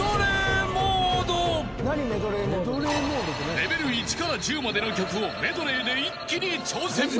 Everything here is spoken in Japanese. ［レベル１から１０までの曲をメドレーで一気に挑戦］